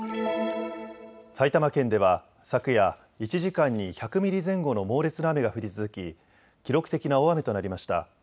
埼玉県では昨夜、１時間に１００ミリ前後の猛烈な雨が降り続き記録的な大雨となりました。